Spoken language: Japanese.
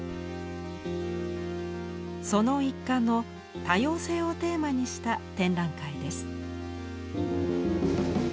その一環の多様性をテーマにした展覧会です。